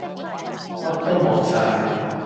乜都冇曬